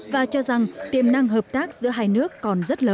và cho rằng tiềm năng hợp tác giữa hai nước còn rất lớn